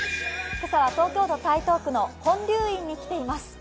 今朝は東京都台東区の本龍院に来ています。